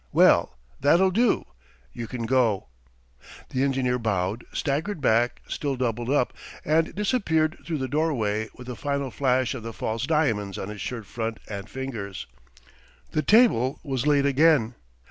"Well, that'll do, you can go. ..." The engineer bowed, staggered back, still doubled up, and disappeared through the doorway with a final flash of the false diamonds on his shirt front and fingers. The table was laid again.